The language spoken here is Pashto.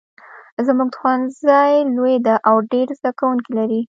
زمونږ ښوونځی لوی ده او ډېر زده کوونکي لري